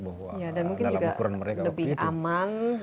dan mungkin juga lebih aman